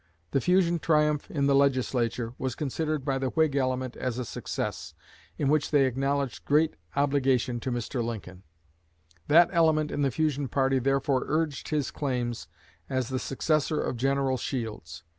The Fusion triumph in the Legislature was considered by the Whig element as a success, in which they acknowledged great obligation to Mr. Lincoln. That element in the Fusion party therefore urged his claims as the successor of General Shields.